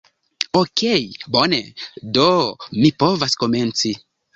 Okej bone, do mi povas komenci